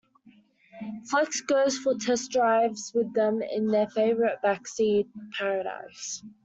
Flex goes for test-drives with them in their favorite backseat paradise.